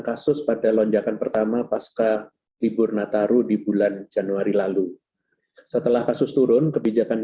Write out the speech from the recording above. kasus pada lonjakan pertama pasca libur nataru di bulan januari lalu setelah kasus turun kebijakan